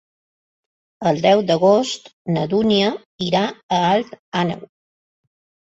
El deu d'agost na Dúnia irà a Alt Àneu.